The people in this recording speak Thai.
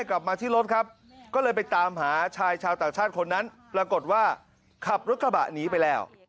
ขับรถกระบะหนีไปแล้ว